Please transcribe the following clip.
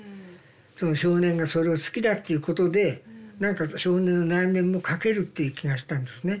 その少年がそれを好きだっていうことで何か少年の内面もかけるっていう気がしたんですね。